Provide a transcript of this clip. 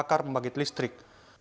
bahan bakar membagi listrik